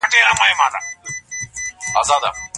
د پاک لمنۍ ساتلو په نيت واده کول اړين دي.